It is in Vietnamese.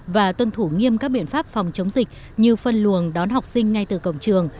và tuân thủ nghiêm các biện pháp phòng chống dịch như phân luồng đón học sinh ngay từ cổng trường